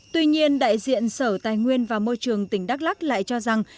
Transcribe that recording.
tuy nhiên đại diện sở tài nguyên và môi trường tỉnh đắk lắc lại cho rằng